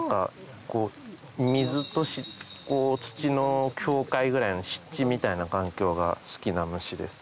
水と土の境界ぐらいの湿地みたいな環境が好きな虫です。